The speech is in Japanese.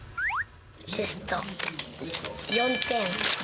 テスト、４点。